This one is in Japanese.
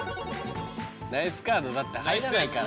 ナイスカードだって入らないから。